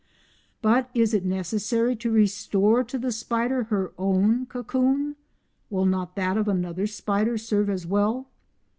But is it necessary to restore to the spider her own cocoon? Will not that of another spider serve as well?